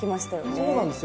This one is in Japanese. そうなんですよ。